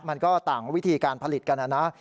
มันก็ต่างวิธีการผลิตกันนะนะ